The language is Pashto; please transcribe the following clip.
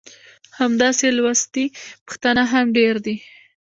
همداسې لوستي پښتانه هم ډېر دي.